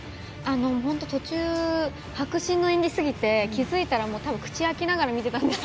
ほんと途中迫真の演技すぎて気付いたら口を開きながら見てたんですけど私。